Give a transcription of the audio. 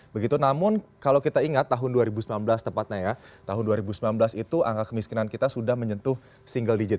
begitu namun kalau kita ingat tahun dua ribu sembilan belas tepatnya ya tahun dua ribu sembilan belas itu angka kemiskinan kita sudah menyentuh single digit